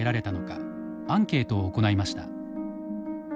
アンケートを行いました。